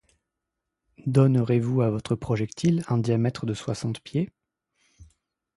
Donnerez-vous à votre projectile un diamètre de soixante pieds?